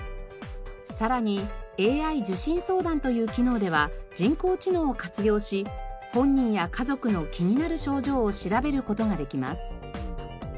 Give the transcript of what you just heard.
さらに「ＡＩ受診相談」という機能では人工知能を活用し本人や家族の気になる症状を調べる事ができます。